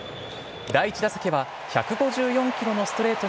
第１打席は１５４キロのストレート